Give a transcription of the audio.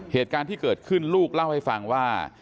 เหตุการณ์ที่เกิดขึ้นลูกเล่าให้ฟังว่า